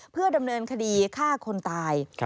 เพื่อดำเนินคดีฆ่าคนตาย